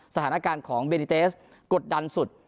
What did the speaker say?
สถานการณ์ของเบดิเตสกดดันสุด